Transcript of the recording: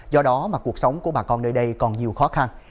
do đó mà cuộc sống của bà con nơi đây còn nhiều khó khăn